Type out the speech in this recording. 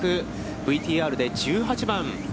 ＶＴＲで１８番。